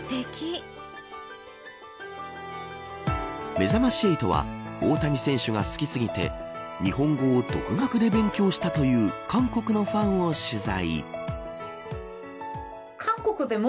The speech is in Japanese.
めざまし８は大谷選手が好き過ぎて日本語を独学で勉強したという韓国のファンを取材。